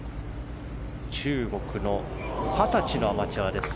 中国の二十歳のアマチュアです。